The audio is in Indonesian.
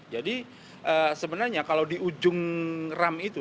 jadi sebenarnya kalau di ujung ram itu